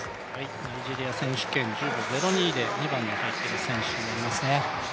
ナイジェリア選手権では２番に入っている選手になりますね